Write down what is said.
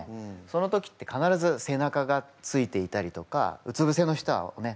その時って必ず背中がついていたりとかうつぶせの人はね